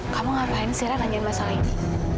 kamu ngapain zaira nanya masalah ini